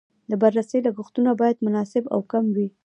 د بررسۍ لګښتونه باید مناسب او کم وي.